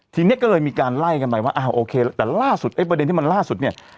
ทีนี้ก็เลยมีการไล่กันไปว่าอ่าโอเคแต่ล่าสุดไอ้ประเด็นที่มันล่าสุดเนี่ย